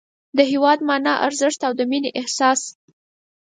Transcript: د هېواد مانا، ارزښت او د مینې احساس